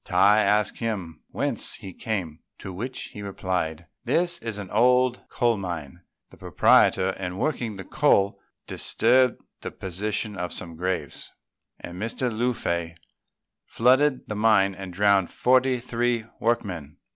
Tai asked him whence he came; to which he replied, "This is an old coal mine. The proprietor, in working the coal, disturbed the position of some graves; and Mr. Lung fei flooded the mine and drowned forty three workmen.